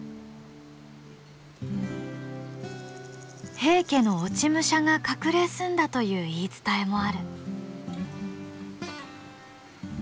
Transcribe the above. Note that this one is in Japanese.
平家の落ち武者が隠れ住んだという言い伝えもある。